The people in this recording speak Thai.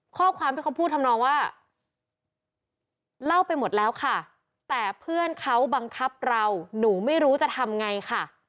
ข้อความที่เขาพูดทำนองว่าเล่าไปหมดแล้วค่ะแต่เพื่อนเขาบังคับเราหนูไม่รู้จะทำไงค่ะ